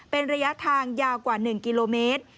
เป็นระยะทางยาวกว่า๑กิโลเมตร